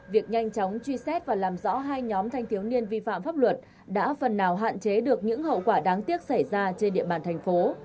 việc nhanh chóng truy xét và làm rõ hai nhóm thanh thiếu niên vi phạm pháp luật đã phần nào hạn chế được những hậu quả đáng tiếc xảy ra trên địa bàn thành phố